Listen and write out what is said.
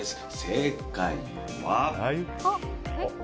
正解は。